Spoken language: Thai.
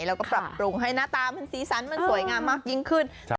แล้วก็ปรับปรุงให้หน้าตามันสีสันมันสวยงามมากยิ่งขึ้น